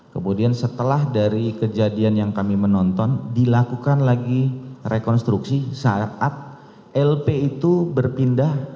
kemudian setelah dari kejadian yang kami menonton dilakukan lagi rekonstruksi saat lp itu berpindah